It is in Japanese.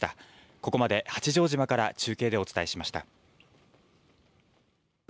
ここまで八丈島から中継でお伝えしました。